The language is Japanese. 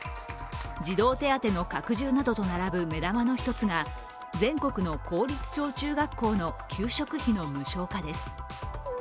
児童手当の拡充などと並ぶ目玉の一つが、全国の公立小中学校の給食費の無償化です。